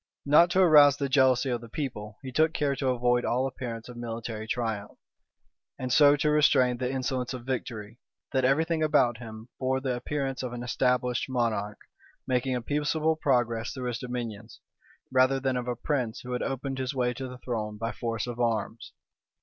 Not to rouse the jealousy of the people, he took care to avoid all appearance of military triumph; and so to restrain the insolence of victory, that every thing about him bore the appearance of an established monarch, making a peaceable progress through his dominions, rather than of a prince who had opened his way to the throne by force of arms.